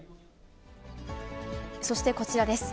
そしてこちらです。